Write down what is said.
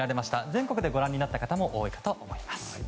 全国でご覧になった方も多いかと思います。